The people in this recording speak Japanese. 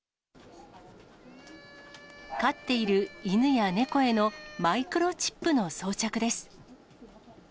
飼っている犬や猫へのマイクロチップの装着です。